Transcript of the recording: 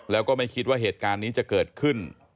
แล้วก็ไม่คิดว่าเหตุการณ์นี้จะเกิดขึ้น